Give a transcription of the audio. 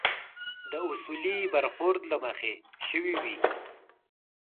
د اصولي برخورد له مخې شوي وي.